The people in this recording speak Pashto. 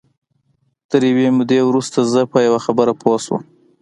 تر یوې مودې وروسته زه په یوه خبره پوه شوم